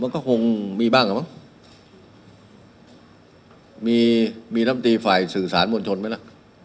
มันก็คงมีบ้างหรือเปล่ามีน้ำตีฝ่ายสื่อสารมวลชนไหมล่ะ